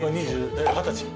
二十歳。